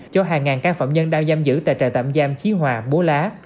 cho hàng ngàn căn phạm nhân đang giam giữ tại trại tạm giam chí hòa búa lá